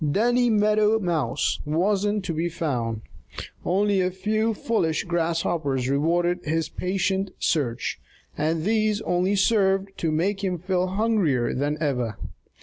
Danny Meadow Mouse wasn't to be found. Only a few foolish grasshoppers rewarded his patient search, and these only served to make him feel hungrier than ever.